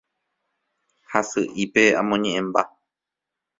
Hasy'ípe amoñe'ẽmba.